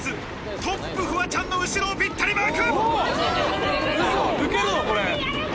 トップ、フワちゃんの後ろをぴったりマーク。